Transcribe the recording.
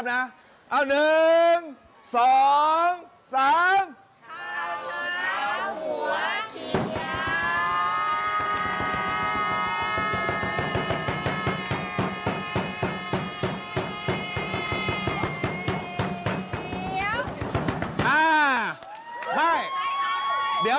ข้าวเช้าหัวเขียว